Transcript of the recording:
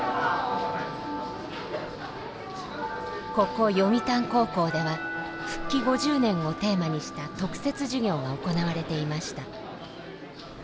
ここ読谷高校では復帰５０年をテーマにした特設授業が行われていました。